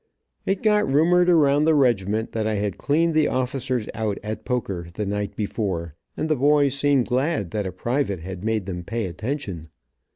It got rumored around the regiment that I had cleaned the officers out at poker the night before, and the boys seemed glad that a private had made them pay attention.